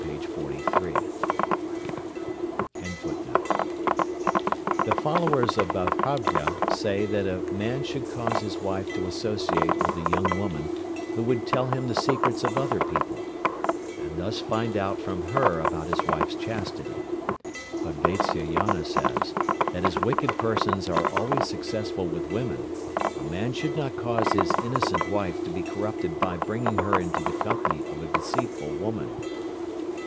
The followers of Babhravya say that a man should cause his wife to associate with a young woman who would tell him the secrets of other people, and thus find out from her about his wife's chastity. But Vatsyayana says, that as wicked persons are always successful with women, a man should not cause his innocent wife to be corrupted by bringing her into the company of a deceitful woman.